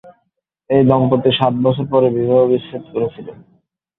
এই দম্পতি সাত বছর পরে বিবাহবিচ্ছেদ করেছিলেন।